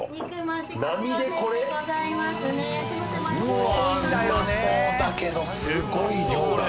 うまそうだけどすごい量だな。